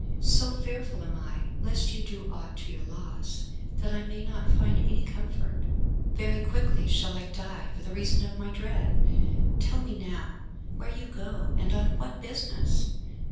So fearful am I, lest you do aught to your loss, that I may not find any comfort. Very quickly shall I die for reason of my dread. Tell me now, where you go, and on what business!